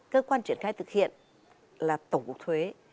cơ quan triển khai thực hiện là tổng cục thuế